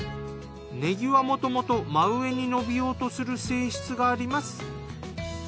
ねぎはもともと真上に伸びようとする性質があります。